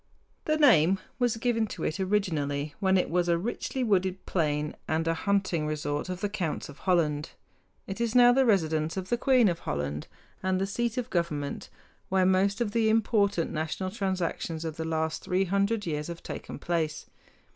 The name was given to it originally when it was a richly wooded plain and a hunting resort of the counts of Holland. It is now the residence of the queen of Holland and the seat of government, where most of the important national transactions of the last three hundred years have taken place.